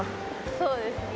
そうですね。